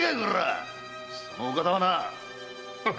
そのお方はな！